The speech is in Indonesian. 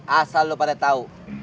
asal lo pada tau